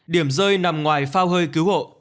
điểm rơi nằm ngoài phao hơi cứu hộ